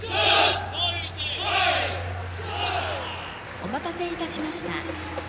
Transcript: お待たせいたしました。